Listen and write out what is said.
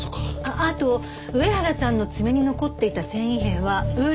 あと上原さんの爪に残っていた繊維片はウール生地だった。